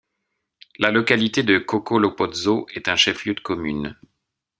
La localité de Kokolopozo est un chef-lieu de commune.